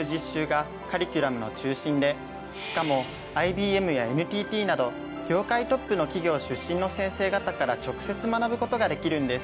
しかもＩＢＭやＮＴＴなど業界トップの企業出身の先生方から直接学ぶことができるんです。